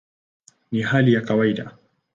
Ni hali ya kawaida".